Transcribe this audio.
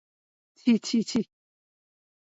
ଛି, ଛି, ଛି!